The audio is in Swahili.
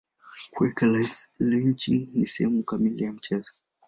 Kuweka lynching ni sehemu kamili ya mchezo.